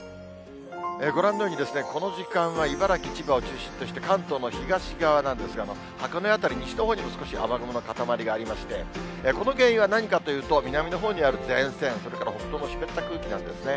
ご覧のようにですね、この時間は茨城、千葉を中心として関東の東側なんですが、箱根辺り、西のほうにも少し雨雲の固まりがありまして、この原因は何かというと、南のほうにある前線、それから北東の湿った空気なんですね。